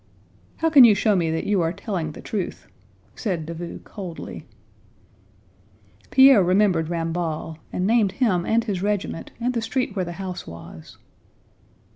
"How can you show me that you are telling the truth?" said Davout coldly. Pierre remembered Ramballe, and named him and his regiment and the street where the house was.